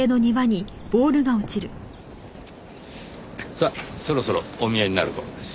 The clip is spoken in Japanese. さあそろそろお見えになる頃です。